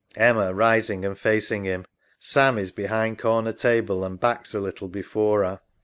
EMMA {rising and facing him. Sam is behind corner table and backs a little before her).